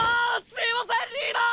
すいませんリーダー！